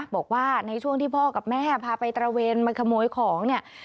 บอกว่าในช่วงที่พ่อกับแม่พาไปตระเวนมาขโมยของเนี่ย